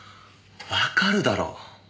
わかるだろ？